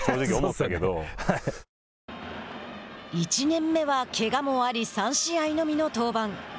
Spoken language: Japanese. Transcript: １年目はけがもあり３試合のみの登板。